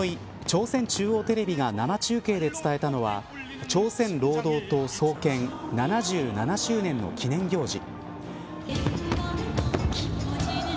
朝鮮中央テレビが生中継で伝えたのは朝鮮労働党、創建７７周年の記念行事。